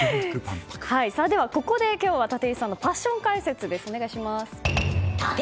ここで今日は立石さんのパッション解説です。